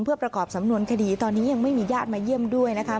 เพื่อประกอบสำนวนคดีตอนนี้ยังไม่มีญาติมาเยี่ยมด้วยนะคะ